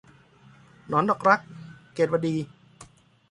หนอนดอกรัก - เกตุวดี